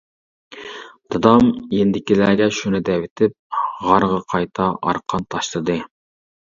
دادام يېنىدىكىلەرگە شۇنى دەۋېتىپ، غارغا قايتا ئارقان تاشلىدى.